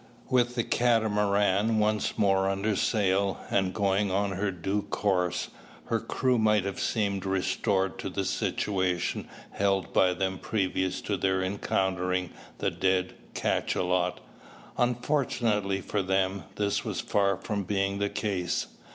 With the Catamaran once more under sail, and going on her due course, her crew might have seemed restored to the situation held by them previous to their encountering the dead cachalot Unfortunately for them, this was far from being the case.